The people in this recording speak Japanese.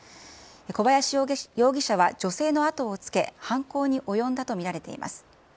小林容疑者は女性の後をつけ、犯行に及んだと見られています。